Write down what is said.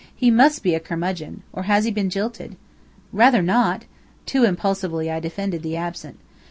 "He must be a curmudgeon. Or has he been jilted?" "Rather not!" Too impulsively I defended the absent.